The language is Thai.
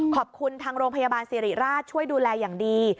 ขอบคุณทางโรงพยาบาลสิริราชช่วยดูแลอย่างดี